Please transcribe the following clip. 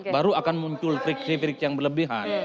baru akan muncul trik trik yang berlebihan